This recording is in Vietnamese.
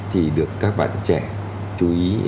thì được các bạn trẻ chú ý